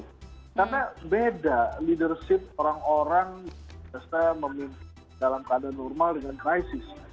karena beda leadership orang orang yang biasanya memimpin dalam keadaan normal dengan krisis